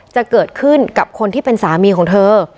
จะเกิดขึ้นกับคนที่เป็นสามีของเธอ